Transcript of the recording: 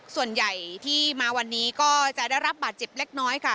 ส่วนใหญ่ที่มาวันนี้ก็จะได้รับบาดเจ็บเล็กน้อยค่ะ